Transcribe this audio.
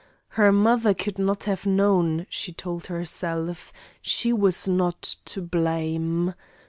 Her mother could not have known, she told herself; she was not to blame.